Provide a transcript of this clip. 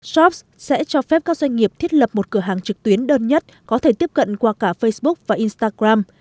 shops sẽ cho phép các doanh nghiệp thiết lập một cửa hàng trực tuyến đơn nhất có thể tiếp cận qua cả facebook và instagram